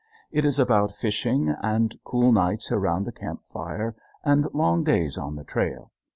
It is about fishing, and cool nights around a camp fire, and long days on the trail.